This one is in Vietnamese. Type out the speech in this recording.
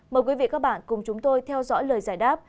mời quý vị và các bạn cùng chúng tôi theo dõi lời giải đáp